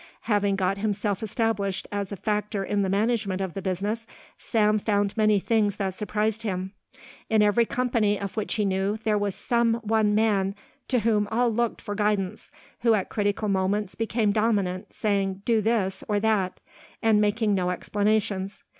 Having got himself established as a factor in the management of the business, Sam found many things that surprised him. In every company of which he knew there was some one man to whom all looked for guidance, who at critical moments became dominant, saying "Do this, or that," and making no explanations.